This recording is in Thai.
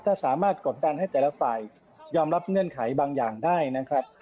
ถ้าสามารถกดดันให้แต่ละฝ่ายยอมรับเงื่อนไขบางอย่างได้นะครับ